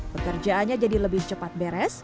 pekerjaannya jadi lebih cepat beres